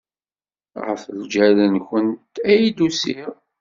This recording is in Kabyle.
Ɣef lǧal-nwent ay d-usiɣ.